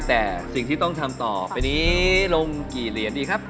แต่สิ่งที่ต้องทำต่อไปนี้ลงกี่เหรียญดีครับ